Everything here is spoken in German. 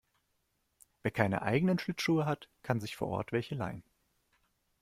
Wer keine eigenen Schlittschuhe hat, kann sich vor Ort welche leihen.